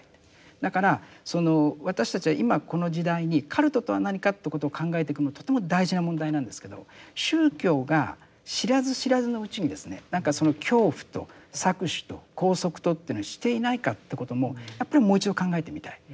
だからその私たちは今この時代にカルトとは何かということを考えていくのはとても大事な問題なんですけど宗教が知らず知らずのうちにですねなんかその恐怖と搾取と拘束とというのをしていないかってこともやっぱりもう一度考えてみたい。